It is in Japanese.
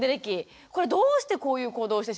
これどうしてこういう行動をしてしまうんでしょうか？